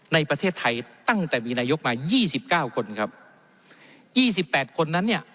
ในประเทศไทยตั้งแต่มีนายกมายี่สิบเก้าคนครับยี่สิบแปดคนนั้นเนี่ย